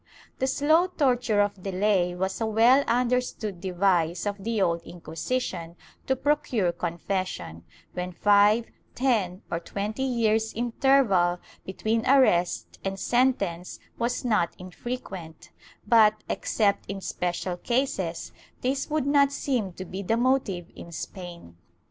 The slow torture of delay was a well understood device of the Old Inquisition to procure confession, when five, ten, or twenty years' interval between arrest and sentence was not infrequent,^ but, except in special cases, this would not seem to be the motive in Spain.